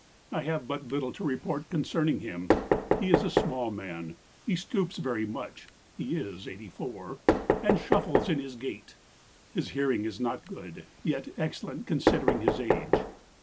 I have but little to report concerning him. He is a small man. He stoops very much (he is eighty four), and shuffles in his gait. His hearing is not good, yet excellent considering his age.